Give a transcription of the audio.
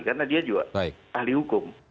karena dia juga ahli hukum